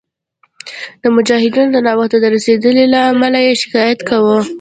د مجاهدینو د ناوخته رسېدلو له امله یې شکایت کاوه.